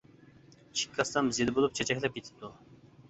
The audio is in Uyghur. ئىككى كاسسام زېدە بولۇپ چېچەكلەپ كېتىپتۇ.